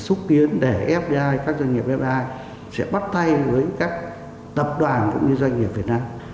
chúng tôi sẽ xúc tiến để fdi các doanh nghiệp fdi sẽ bắt tay với các tập đoàn cũng như doanh nghiệp việt nam